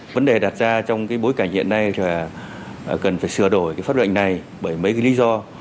vấn đề đặt ra trong bối cảnh hiện nay là cần phải sửa đổi cái pháp lệnh này bởi mấy cái lý do